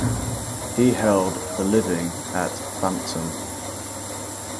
He held the living at Bampton.